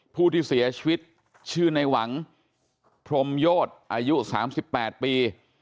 ผู้ที่เสียชีวิตชื่อในหวังพรมโยชน์อายุสามสิบแปดปี